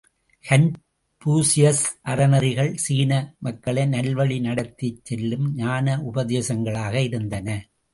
Confucius அறநெறிகள் சீன மக்களை நல்வழி நடத்திச் செல்லும் ஞானோபதேசங்களாக இருந்தன!